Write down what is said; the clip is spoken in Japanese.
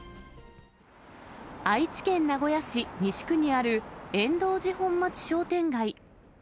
愛知県名古屋市西区にある、円頓寺本町商店街。